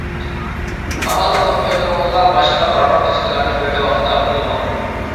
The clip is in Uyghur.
ئامال بار كومپيۇتېرىڭىزغا باشقا بارماق دىسكىلارنى بىرلا ۋاقىتتا ئۇلىماڭ.